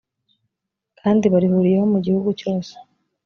kandi barihuriyeho mu gihugu cyose